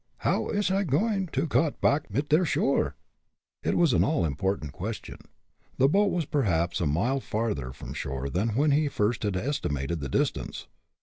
How ish I going to got pack mit der shore?" It was an all important question. The boat was perhaps a mile farther from shore than when he first had estimated the distance.